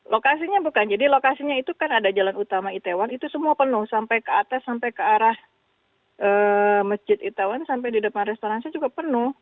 lokasinya bukan jadi lokasinya itu kan ada jalan utama itaewon itu semua penuh sampai ke atas sampai ke arah masjid itaewon sampai di depan restoran saya juga penuh